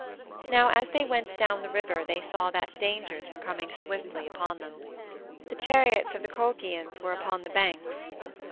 Now as they went down the river they saw that dangers were coming swiftly upon them. The chariots of the Colchians were upon the banks.